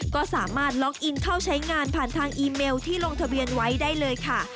ก็สามารถล็อกอินเข้าใช้งานผ่านทางอีเมลที่ลงทะเบียนไว้ได้เลยค่ะ